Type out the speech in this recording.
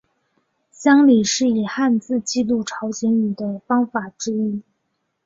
乡札是以汉字记录朝鲜语的方法之一。